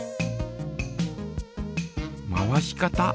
回し方。